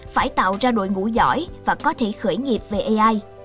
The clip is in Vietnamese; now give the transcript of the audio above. phải tạo ra đội ngũ giỏi và có thể khởi nghiệp về ai